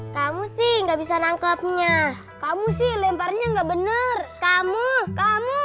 kamu sih nggak bisa nangkepnya kamu sih lemparnya enggak bener kamu kamu